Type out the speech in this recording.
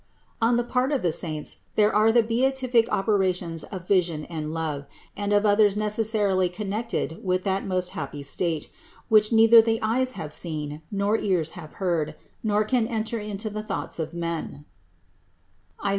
On the part of the saints there are the beatific operations of vision and love, and of others necessarily connected with that most happy state, which neither the eyes have seen, nor ears have heard, nor can enter into the thoughts of men (Is.